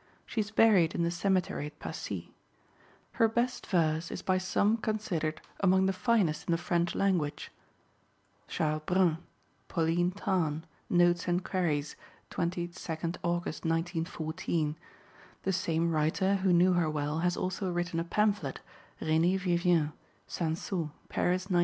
She is buried in the cemetery at Passy. Her best verse is by some considered among the finest in the French language. (Charles Brun, "Pauline Tarn," Notes and Queries, 22 Aug., 1914; the same writer, who knew her well, has also written a pamphlet, Renée Vivien, Sansot, Paris, 1911.)